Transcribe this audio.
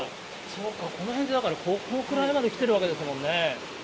そうか、この辺で、だからここまで来てるわけですもんね。